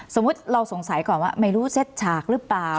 สมมุติเราสงสัยก่อนว่าไม่รู้เซ็ตฉากหรือเปล่า